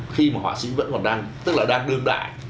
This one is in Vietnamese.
khi mà họa sĩ vẫn còn đang tức là đang đương đại